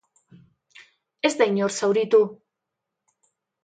Ez da inor zauritu.